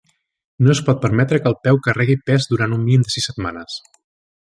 No es pot permetre que el peu carregui pes durant un mínim de sis setmanes.